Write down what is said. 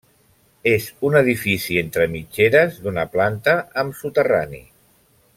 És un edifici entre mitgeres, d'una planta amb soterrani.